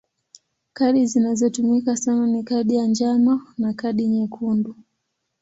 Kadi zinazotumika sana ni kadi ya njano na kadi nyekundu.